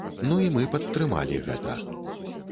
Ну і мы падтрымалі гэта.